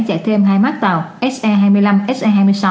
chạy thêm hai mác tàu se hai mươi năm se hai mươi sáu